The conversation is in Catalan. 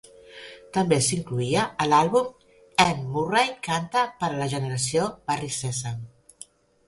També s'incloïa a l'àlbum "Anne Murray canta per a la generació Barri Sèsam".